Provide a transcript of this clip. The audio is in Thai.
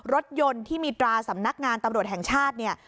รถยนต์ที่มีตราสำนักงานตำรวจแห่งชาติเนี่ย